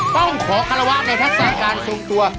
ต้องขอคารวะในทักษะการทรงตัว